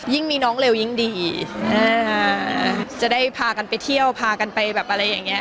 มีน้องเร็วยิ่งดีจะได้พากันไปเที่ยวพากันไปแบบอะไรอย่างเงี้